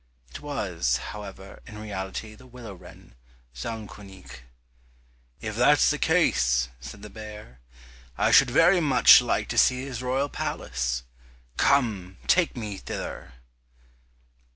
It was, however, in reality the willow wren (Zaunkönig). "If that's the case," said the bear, "I should very much like to see his royal palace; come, take me thither."